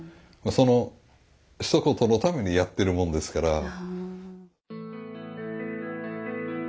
そのひと言のためにやってるもんですから。